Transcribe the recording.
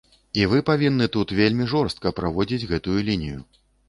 І вы павінны тут вельмі жорстка праводзіць гэтую лінію.